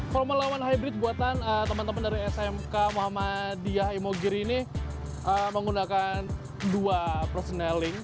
formal lawan hybrid buatan teman teman dari smk muhammadiyah imogiri ini menggunakan dua personal link